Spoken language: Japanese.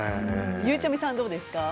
ゆうちゃみさん、どうですか？